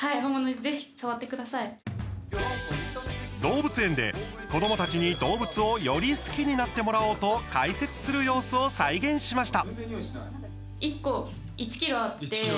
動物園で、子どもたちに動物をより好きになってもらおうと解説する様子を再現しました。